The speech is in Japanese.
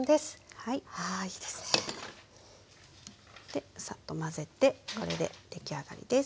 でサッと混ぜてこれで出来上がりです。